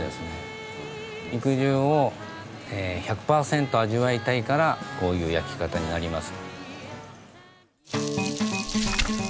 肉汁を１００％味わいたいからこういう焼き方になります。